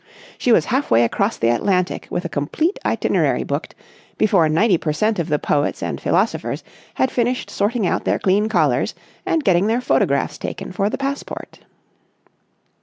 She was half way across the Atlantic with a complete itinerary booked, before ninety per cent. of the poets and philosophers had finished sorting out their clean collars and getting their photographs taken for the passport.